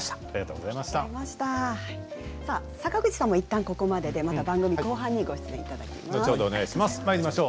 坂口さんもいったんここまでで後ほど番組後半にご登場いただきます。